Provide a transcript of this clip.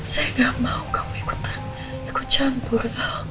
saya gak mau kamu ikutan ikut campur